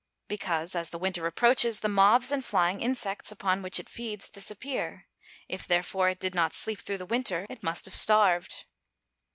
_ Because, as the winter approaches, the moths and flying insects upon which it feeds, disappear. _If, therefore, it did not sleep through the winter it must have starved.